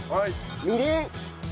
みりん。